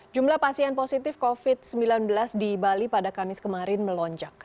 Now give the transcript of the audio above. jumlah pasien positif covid sembilan belas di bali pada kamis kemarin melonjak